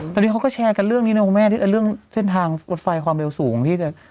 ตอนนี้เขาก็แชร์กันเรื่องนี้นะคุณแม่ที่เรื่องเส้นทางรถไฟความเร็วสูงที่จะ